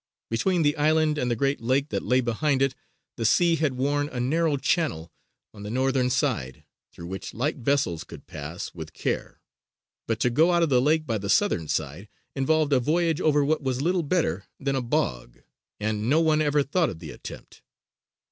Between the island and the great lake that lay behind it, the sea had worn a narrow channel on the northern side, through which light vessels could pass, with care; but to go out of the lake by the southern side involved a voyage over what was little better than a bog, and no one ever thought of the attempt.